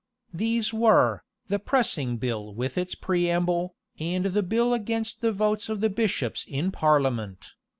These were, the pressing bill with its preamble, and the bill against the votes of the bishops in parliament.